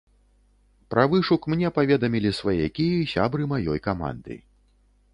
Пра вышук мне паведамілі сваякі і сябры маёй каманды.